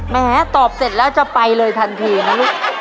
แม้ตอบเสร็จแล้วจะไปเลยทันทีนะลูก